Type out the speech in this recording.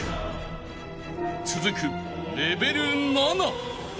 ［続くレベル７］